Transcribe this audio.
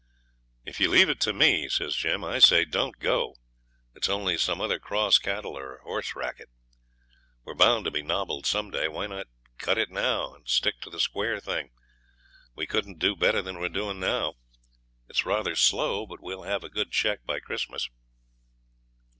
'If you leave it to me,' says Jim, 'I say, don't go. It's only some other cross cattle or horse racket. We're bound to be nobbled some day. Why not cut it now, and stick to the square thing? We couldn't do better than we're doing now. It's rather slow, but we'll have a good cheque by Christmas.'